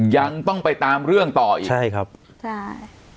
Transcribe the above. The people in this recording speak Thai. ยังต้องไปตามเรื่องต่ออีกใช่ครับใช่